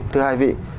thưa hai vị